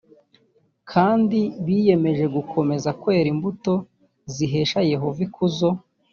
kandi biyemeje gukomeza kwera imbuto zihesha yehova ikuzo